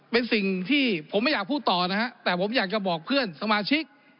เป็นสิ่งที่ผมไม่อยากพูดต่อนะฮะแต่ผมอยากจะบอกเพื่อนสมาชิก